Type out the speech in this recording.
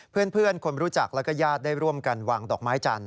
เพื่อนคนรู้จักแล้วก็ญาติได้ร่วมกันวางดอกไม้จันท